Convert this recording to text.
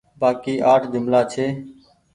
بآڪي اٺ جملآ ڇي